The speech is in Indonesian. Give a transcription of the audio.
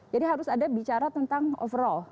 jadi harus ada bicara tentang overall